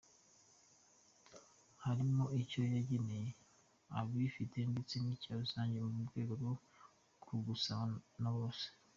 Harimo icyo yageneye abifite ndetse n’icya rusange mu rwego rwo gusabana na bose.